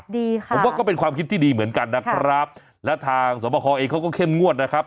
ดีค่ะผมว่าก็เป็นความคิดที่ดีเหมือนกันนะครับและทางสวบคอเองเขาก็เข้มงวดนะครับ